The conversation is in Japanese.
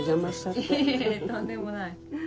いえとんでもない。